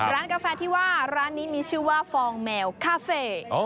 กาแฟที่ว่าร้านนี้มีชื่อว่าฟองแมวคาเฟ่